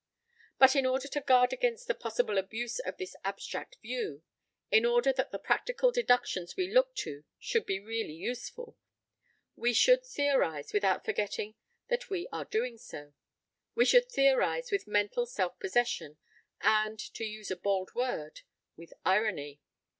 But in order to guard against the possible abuse of this abstract view, in order that the practical deductions we look to should be really useful, we should theorise without forgetting that we are so doing, we should theorise with mental self possession, and, to use a bold word, with irony.